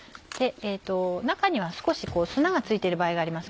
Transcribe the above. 中には少し砂が付いてる場合があります。